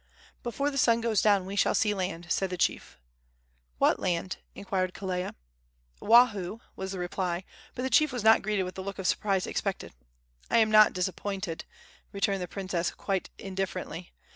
"Before the sun goes down we shall see land," said the chief. "What land?" inquired Kelea. "Oahu," was the reply, but the chief was not greeted with the look of surprise expected. "I am not disappointed," returned the princess, quite indifferently.